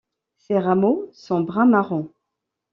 Ses rameaux sont brun-marron.